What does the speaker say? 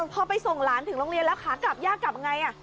พอไปส่งหลานถึงโรงเรียนแล้วขากลับย่ากลับไง